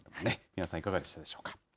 皆さん、いかがでしたでしょうか。